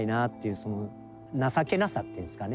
その情けなさっていうんすかね。